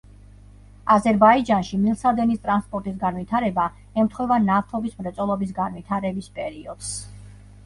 აზერბაიჯანში, მილსადენის ტრანსპორტის განვითარება ემთხვევა ნავთობის მრეწველობის განვითარების პერიოდს.